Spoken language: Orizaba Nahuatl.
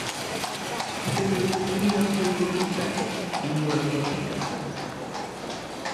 Kitenextilia tlen yokitak iuan yokikak.